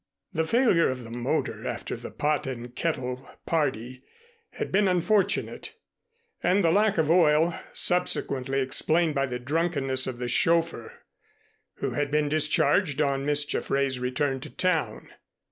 The failure of the motor after the "Pot and Kettle" party had been unfortunate, and the lack of oil subsequently explained by the drunkenness of the chauffeur who had been discharged on Miss Jaffray's return to town.